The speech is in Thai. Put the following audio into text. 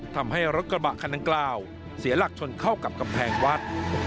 ทำให้รถกระบะคันดังกล่าวเสียหลักชนเข้ากับกำแพงวัด